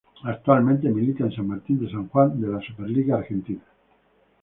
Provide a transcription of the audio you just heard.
Actualmente milita en San Martín de San Juan de la Superliga Argentina.